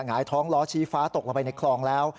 หงายท้องล้อชี้ฟ้าตกลงไปในคลองแล้ว